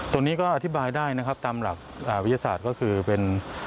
ตรงนี้ก็อธิบายได้นะครับตามหลักวิทยาศาสตร์ก็คือเป็น